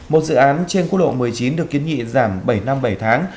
một dự án trên quốc lộ một mươi chín được kiến nghị giảm bảy năm bảy tháng